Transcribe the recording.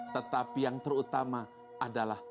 tetapi yang terutama adalah